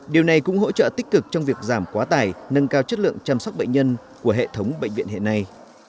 điều này cũng hỗ trợ tích cực trong việc giảm quá tải nâng cao chất lượng chăm sóc bệnh nhân của hệ thống bệnh viện hiện nay